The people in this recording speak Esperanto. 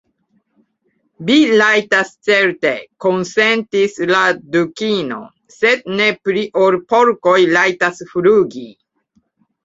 "Vi rajtas certe," konsentis la Dukino, "sed ne pli ol porkoj rajtas flugi.